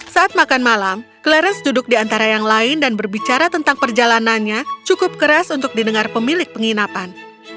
saat makan malam clarence duduk di antara yang lain dan berbicara tentang perjalanannya cukup keras untuk didengar pemilik penginapan